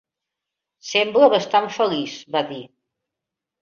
"Sembla bastant feliç", va dir.